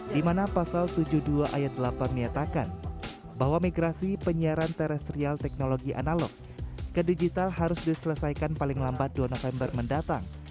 di mana pasal tujuh puluh dua ayat delapan menyatakan bahwa migrasi penyiaran terestrial teknologi analog ke digital harus diselesaikan paling lambat dua november mendatang